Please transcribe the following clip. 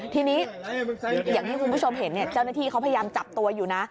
ทีนี้อย่างที่คุณผู้ชมเห็นเจ้าหน้าที่เขาพยายามจับตัวอยู่นะ